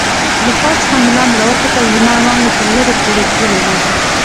له پاس څخه مې لاندې راوکتل، د لمر وړانګې تر لرې پورې تللې وې.